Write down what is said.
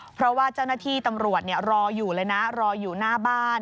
เพราะว่าเจ้าหน้าที่ตำรวจรออยู่เลยนะรออยู่หน้าบ้าน